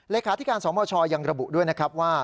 เลขาธิการสมชยังระบุด้วยนะครับว่า